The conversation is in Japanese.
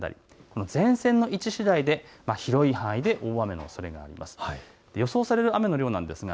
減ったりやんだり、前線の位置しだいで広い範囲で大雨のおそれがあります。